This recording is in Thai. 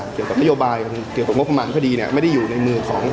เกี่ยวกับงบประมาณพอดีเนี่ยไม่ได้อยู่ในมือของ